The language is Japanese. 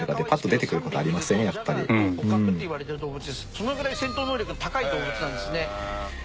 そのぐらい戦闘能力が高い動物なんですね。